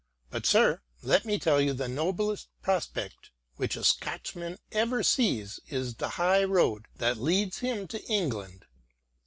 But, sir, let me tell you the noblest prospect which a Scotchman ever sees is the high road that leads him to England